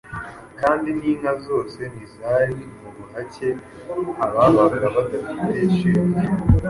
Kandi n'inka zose ntizari mu buhake Ababaga badafite ba shebuja